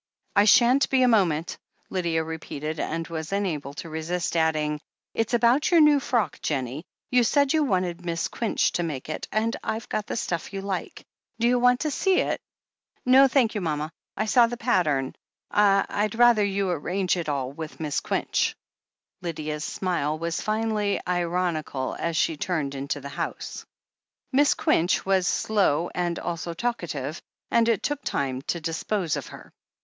"I shan't be a moment," Lydia repeated, and was unable to resist adding: "It's about your new frock, Jennie, You said you wanted Miss Quinch to make it, and I've got the stuff you liked. Do you want to see it?" 386 THE HEEL OF ACHILLES "No, thank you, mama — I saw the pattern, I — Fd rather you arranged it all with Miss Quinch." Lydia's smile was finely ironical as she turned into the house. Miss Quinch was slow and also talkative, and it took time to dispose of her.